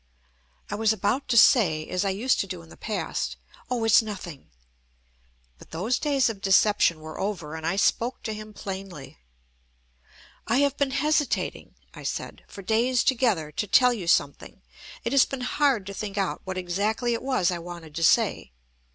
I was about to say, as I used to do in the past: "Oh! It's nothing "; but those days of deception were over, and I spoke to him plainly. "I have been hesitating," I said, "for days together to tell you something. It has been hard to think out what exactly it was I wanted to say.